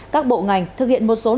các bộ ngành thực hiện một số thông tin